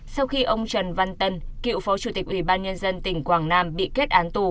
sau khi ông trần văn tân cựu phó chủ tịch ủy ban nhân dân tỉnh quảng nam bị kết án tù